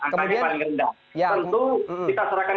tentu kita serahkan